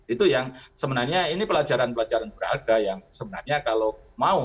itu yang sebenarnya ini pelajaran pelajaran berada yang sebenarnya kalau mau